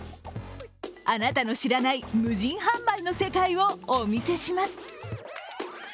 あなたの知らない無人販売の世界をお見せします。